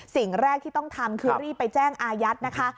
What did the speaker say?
สิ่งแรกที่ต้องทำคือรีบไปแจ้งอายัดนะคะ